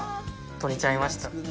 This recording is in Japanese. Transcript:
取れちゃいました。